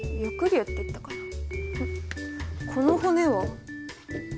この骨は。